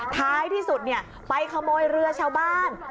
ท้ายที่สุดไปขโมยเรือชาวบ้าน